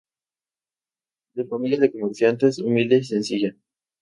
De familia de comerciantes humilde y sencilla.